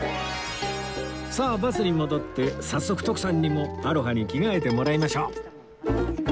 さあバスに戻って早速徳さんにもアロハに着替えてもらいましょう